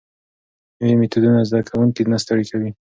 نوي میتودونه زده کوونکي نه ستړي کوي.